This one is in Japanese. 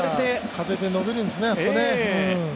風で伸びるんですね、あそこね。